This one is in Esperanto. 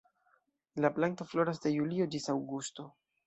La planto floras de julio ĝis aŭgusto.